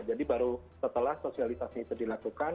jadi baru setelah sosialisasi itu dilakukan